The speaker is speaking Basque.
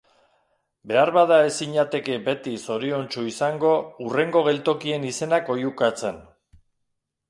Beharbada ez zinateke beti zoriontsu izango hurrengo geltokien izenak oihukatzen.